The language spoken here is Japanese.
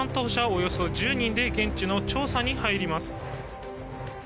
およそ１０人で現地の調査に入ります。